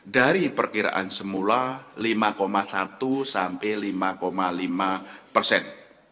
dari perkiraan semula lima satu sampai lima lima persen